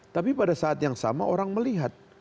tapi pada saat yang sama orang melihat